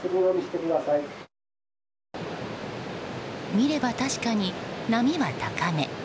見れば確かに波は高め。